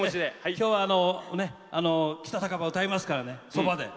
今日は「北酒場」を歌いますからそばで。